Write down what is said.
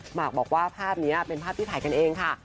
หมากบอกว่าภาพนี้เป็นภาพที่ถ่ายกันเองค่ะ